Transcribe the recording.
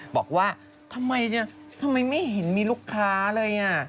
บอกว่าทำไมไม่เห็นมีลูกค้าเลย